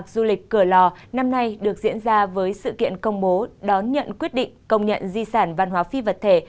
du lịch cửa lò năm nay được diễn ra với sự kiện công bố đón nhận quyết định công nhận di sản văn hóa phi vật thể